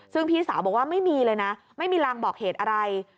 ซึ่งพี่สาวบอกว่าไม่มีเลยนะไม่มีรางบอกเหตุอะไร